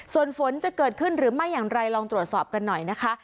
ส่วนฝนจะเกิดขึ้นหรือไม่อย่างไรลองตรวจสอบกันหน่อยนะคะ